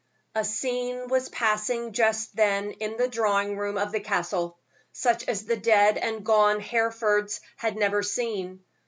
A scene was passing just then in the drawing room of the Castle, such as the dead and gone Herefords had never seen.